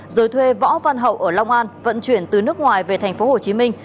rồi thuê võ văn hậu ở long an vận chuyển từ nước ngoài về thành phố hồ chí minh